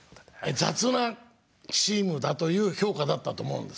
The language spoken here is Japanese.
雑なチームだという評価だったと思うんです。